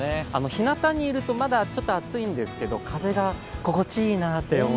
日なたにいるとまだちょっと暑いんですけれど風が心地いいなと思って。